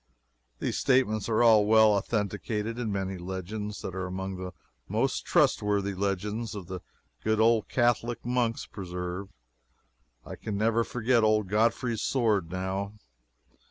These statements are all well authenticated in many legends that are among the most trustworthy legends the good old Catholic monks preserve. I can never forget old Godfrey's sword, now.